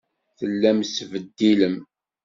Tellam tettbeddilem.